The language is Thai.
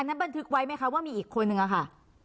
อันนั้นบันทึกไว้ไหมคะว่ามีอีกคนหนึ่งอะค่ะ